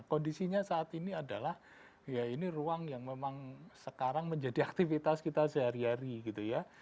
kondisinya saat ini adalah ya ini ruang yang memang sekarang menjadi aktivitas kita sehari hari gitu ya